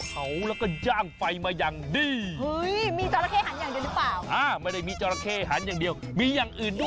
เขาต้องมีคาถาแบบไกลทองเนี่ยแนง